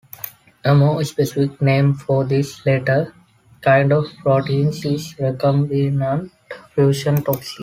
A more specific name for this latter kind of protein is recombinant fusion toxin.